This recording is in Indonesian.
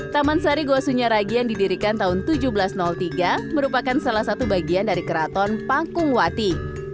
taman sari goa sunyaragi yang didirikan tahun seribu tujuh ratus tiga merupakan salah satu bagian dari keraton pangkung wati